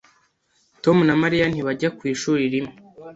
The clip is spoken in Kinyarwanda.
Tom na Mariya ntibajya ku ishuri rimwe.